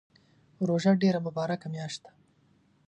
روژه ډیره مبارکه میاشت ده